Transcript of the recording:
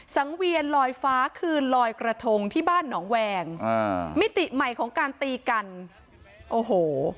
สังเวียนลอยฟ้าคือลอยกระทงที่บ้านหนองแวงอ่ามิติใหม่ของการตีกันโอ้โห